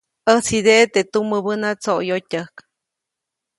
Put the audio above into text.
ʼÄjtsideʼe teʼ tumäbäna tsoʼyotyäjk.